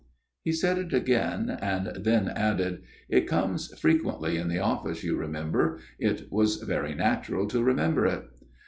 He said it again ; and then added :" It comes frequently in the Office, you remem ber. It was very natural to remember it."